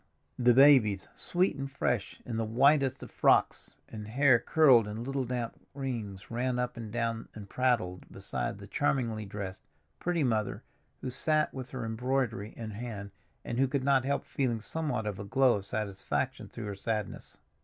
The babies, sweet and fresh, in the whitest of frocks, and hair curled in little damp rings, ran up and down and prattled beside the charmingly dressed, pretty mother, who sat with her embroidery in hand and who could not help feeling somewhat of a glow of satisfaction through her sadness.